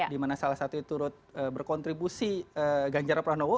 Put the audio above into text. dimana salah satu itu berkontribusi ganjarra prabowo